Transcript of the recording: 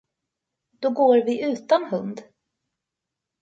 Då går vi utan hund!